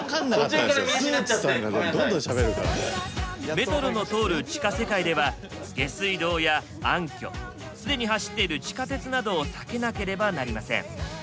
メトロの通る地下世界では下水道や暗きょすでに走っている地下鉄などを避けなければなりません。